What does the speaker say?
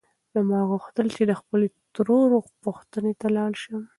ما غوښتل چې د خپلې ترور پوښتنې ته لاړ شم.